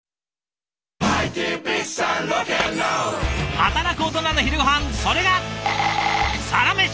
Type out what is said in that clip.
働くオトナの昼ごはんそれが「サラメシ」！